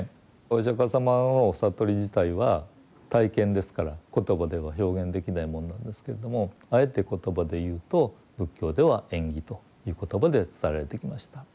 お釈迦様の悟り自体は体験ですから言葉では表現できないものなんですけれどもあえて言葉で言うと仏教では縁起という言葉で伝えられてきました。